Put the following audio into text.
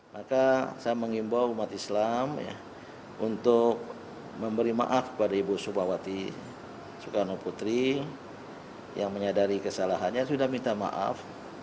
maka saya mengimbau umat islam untuk memberi maaf kepada ibu subawati soekarno putri yang menyadari kesalahannya sudah minta maaf